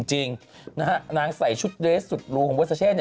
จริงนางใส่ชุดเรสสุดรูของบ๊อสเช่น